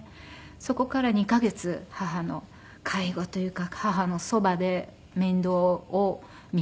そこから２カ月母の介護というか母のそばで面倒を見始めました。